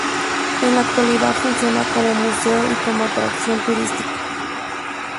En la actualidad funciona como museo y como atracción turística.